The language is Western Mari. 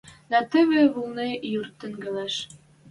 Дӓ теве вулны юр тӹнгӓлеш —